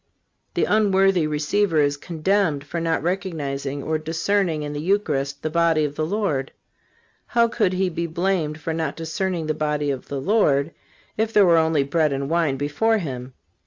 The unworthy receiver is condemned for not recognizing or discerning in the Eucharist the body of the Lord. How could he be blamed for not discerning the body of the Lord, if there were only bread and wine before him?